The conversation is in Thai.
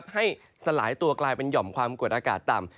สลายตัวกลายเป็นหย่อมความกดอากาศต่ำ